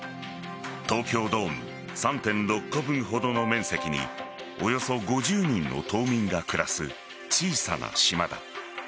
東京ドーム３．６個分ほどの面積におよそ５０人の島民が暮らす小さな島だ。